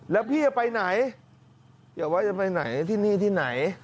แล้วพี่จะไปไหนอย่าว่าจะไปไหนที่นี่ที่ไหน